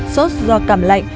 sốt do cảm lạnh